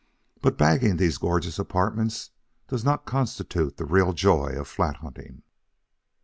But bagging these gorgeous apartments does not constitute the real joy of flat hunting.